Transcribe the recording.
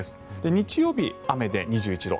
日曜日、雨で２１度。